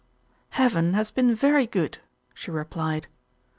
"Heaven has been very good," she replied.